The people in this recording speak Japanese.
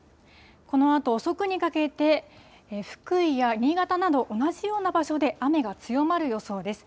このあと遅くにかけて、福井や新潟など同じような場所で雨が強まる予想です。